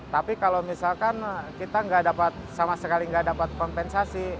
tapi kalau misalkan kita sama sekali nggak dapat kompensasi